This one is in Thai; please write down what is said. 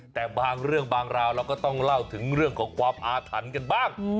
แต่บางเรื่องบางราวเราก็ต้องเล่าถึงเรื่องของความอาถรรพ์กันบ้าง